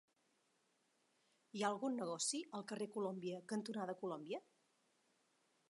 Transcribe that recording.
Hi ha algun negoci al carrer Colòmbia cantonada Colòmbia?